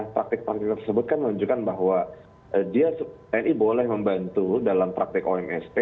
praktik praktik tersebut kan menunjukkan bahwa dia tni boleh membantu dalam praktik omst